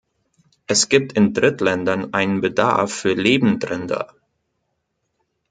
Es gibt in Drittländern einen Bedarf für Lebendrinder.